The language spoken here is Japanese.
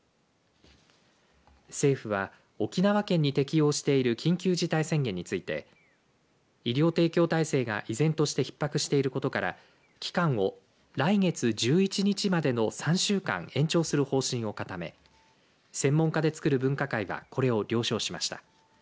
政府は沖縄県に適用している緊急事態宣言について医療提供体制が依然としてひっ迫していることから期間を来月１１日までの３週間、延長する方針を固め専門家でつくる分科会はこれを了承しました。